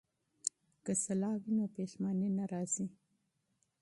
که مشوره وي نو پښیماني نه راځي.